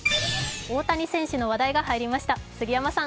大谷選手の話題が入りました。